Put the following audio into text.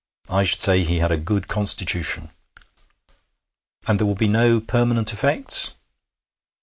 I should say he had a good constitution.' 'And there will be no permanent effects?'